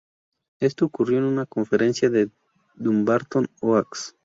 Esto ocurrió en una conferencia en Dumbarton Oaks.